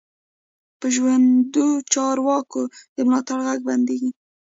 په ژوندو چارواکو د ملا غږ بندېږي.